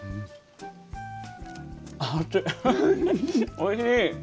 おいしい。